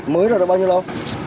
mới rồi đó bao nhiêu lâu